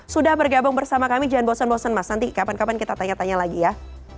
sudah bergabung bersama kami jangan bosen bosen mas nanti kapan kapan kita tanya tanya lagi ya